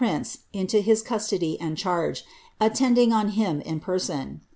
'ince into his custody and charge, attending on him in person.